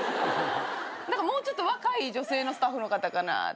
何かもうちょっと若い女性のスタッフの方かなって。